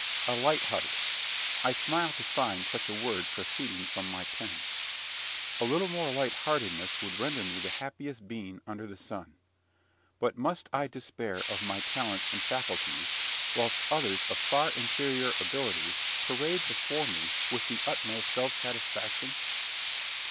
A light heart! I smile to find such a word proceeding from my pen. A little more lightheartedness would render me the happiest being under the sun. But must I despair of my talents and faculties, whilst others of far inferior abilities parade before me with the utmost self satisfaction?